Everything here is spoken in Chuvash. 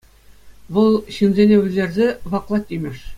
Вӑл ҫынсене вӗлерсе ваклать имӗш.